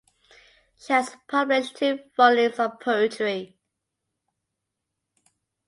She has published two volumes of poetry.